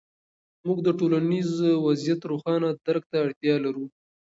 موږ د ټولنیز وضعیت روښانه درک ته اړتیا لرو.